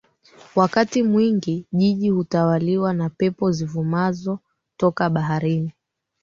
Wakati mwingi Jiji hutawaliwa na pepo zivumazo toka baharini